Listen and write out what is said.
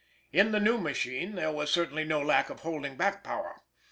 In the new machine (Fig. 12) there was certainly no lack of holding back power.